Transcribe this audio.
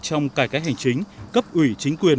trong cải cách hành chính cấp ủy chính quyền